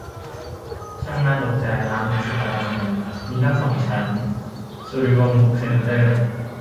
ช่างน่าตกใจ ร้านหนังสืออะไรเนี่ย มีตั้งสองชั้น สุริวงศ์บุ๊คเซ็นเตอร์